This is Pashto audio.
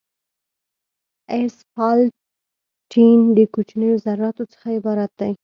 اسفالټین د کوچنیو ذراتو څخه عبارت دی